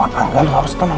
tenang kamu harus tenang